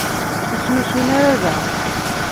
Ur ttnusun ara da.